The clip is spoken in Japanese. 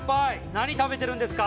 何食べてるんですか？